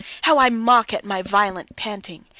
How I mock at my violent panting!